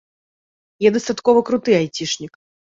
Я дастаткова круты айцішнік.